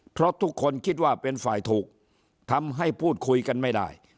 เพราะทุกคนคิดว่าเป็นฝ่ายถูกทำให้พูดคุยกันไม่ได้